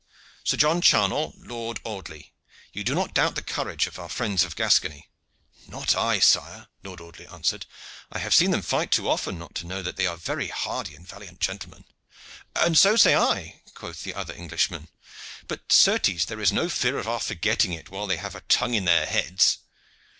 Sir John Charnell, Lord Audley, you do not doubt the courage of our friends of Gascony?" "Not I, sire," Lord Audley answered. "I have seen them fight too often not to know that they are very hardy and valiant gentlemen." "And so say I," quoth the other Englishman; "but, certes, there is no fear of our forgetting it while they have a tongue in their heads."